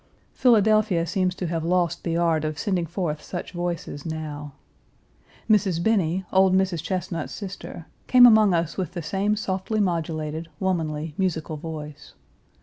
Philadelphia seems to have lost the art of sending forth such voices now. Mrs. Binney, old Mrs. Chesnut's sister, came among us with the same softly modulated, womanly, musical voice.